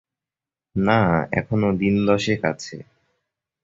না, এখনো দিন-দশেক আছে।